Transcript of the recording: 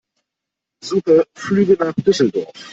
Suche Flüge nach Düsseldorf.